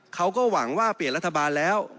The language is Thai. เขาก็หวังว่าเปลี่ยนรัฐบาลแล้ว